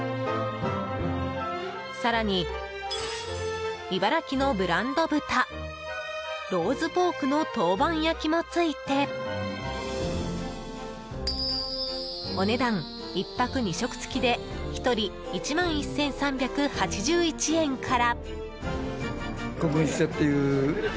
更に茨城のブランド豚ローズポークの陶板焼きも付いてお値段、１泊２食付きで１人、１万１３８１円から。